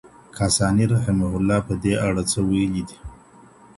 کاساني رحمه الله په دي اړه څه ويلي دي؟